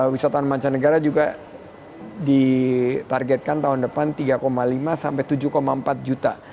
wisatawan mancanegara juga ditargetkan tahun depan tiga lima sampai tujuh empat juta